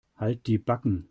Halt die Backen.